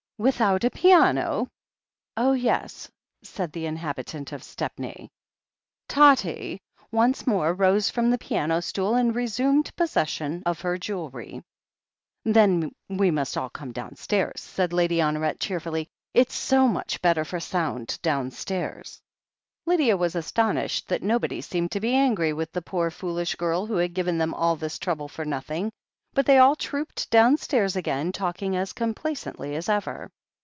"Without a piano?" "Oh, yes," said the inhabitant of Stepney. "Tottie" once more rose from the piano stool, and resumed possession of her jewellery. "Then we must all come downstairs," said Lady Honoret cheerfully. "It's so much better for sound downstairs." Lydia was astonished that nobody seemed to be angry with the poor, foolish girl who had given them all this trouble for nothing, but they all trooped down stairs again, talking as complacently as ever.